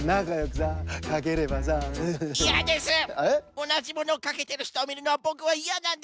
おなじものをかけてるひとをみるのはボクはいやなんです！